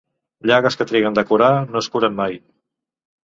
Llagues que triguen de curar no es curen mai.